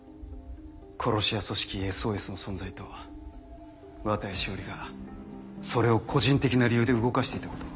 殺し屋組織「ＳＯＳ」の存在と綿谷詩織がそれを個人的な理由で動かしていたことを。